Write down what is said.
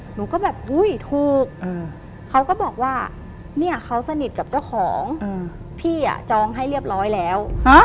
หนูก็แบบอุ้ยถูกเขาก็บอกว่าเนี่ยเขาสนิทกับเจ้าของพี่จองให้เรียบร้อยแล้ว